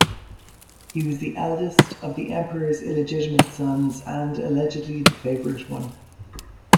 He was the eldest of the emperor's illegitimate sons and allegedly the favourite one.